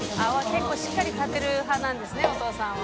結構しっかり立てる派なんですねお父さんは。